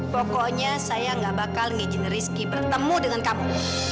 pokoknya saya nggak bakal nginjin rizky bertemu dengan kamu